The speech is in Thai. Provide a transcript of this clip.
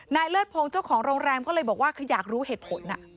เลิศพงศ์เจ้าของโรงแรมก็เลยบอกว่าคืออยากรู้เหตุผล